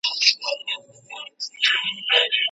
راتلونکی وخت به اقتصاد وده وکړي.